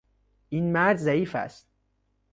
این مرد ضعیف است.